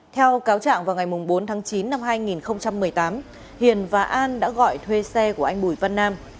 theo cáo trạng vào ngày bốn tháng chín năm hai nghìn một mươi tám hiền và an đã gọi thuê xe của anh bùi văn nam